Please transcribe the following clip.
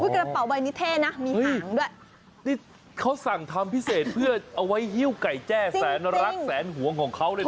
กระเป๋าใบนิเท่นะมีหางด้วยนี่เขาสั่งทำพิเศษเพื่อเอาไว้หิ้วไก่แจ้แสนรักแสนหวงของเขาเลยนะ